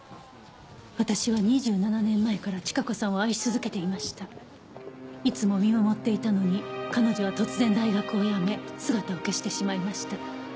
「私は２７年前から千加子さんを愛し続けていました」「いつも見守っていたのに彼女は突然大学を辞め姿を消してしまいました」